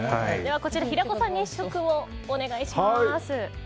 こちら、平子さんに試食をお願いします。